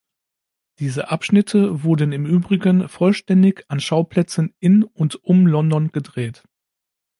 Diese Abschnitte wurden im Übrigen vollständig an Schauplätzen in und um London gedreht.